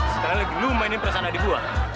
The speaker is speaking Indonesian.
sekarang lagi lo mainin perasaan adik gue